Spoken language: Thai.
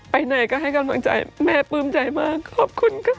ไปไหนก็ให้กำลังใจแม่ปลื้มใจมากขอบคุณค่ะ